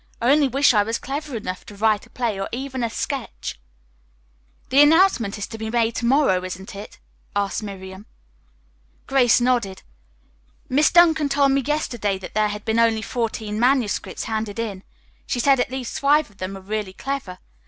I only wish I were clever enough to write a play or even a sketch." "The announcement is to be made to morrow isn't it?" asked Miriam. Grace nodded. "Miss Duncan told me yesterday that there had been only fourteen manuscripts handed in. She said at least five of them were really clever.